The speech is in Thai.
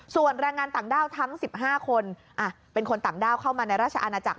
ส่วนแรงงานต่างด้าวทั้ง๑๕คนเป็นคนต่างด้าวเข้ามาในราชอาณาจักร